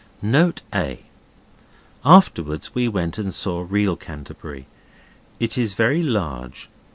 Note A. Afterwards we went and saw real Canterbury. It is very large.